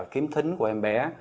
kiếm thính của em bé